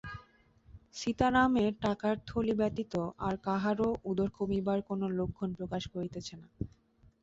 সীতারামের টাকার থলি ব্যতীত আর কাহারো উদর কমিবার কোন লক্ষণ প্রকাশ করিতেছে না।